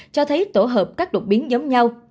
cho thấy tổ hợp các đột biến giống nhau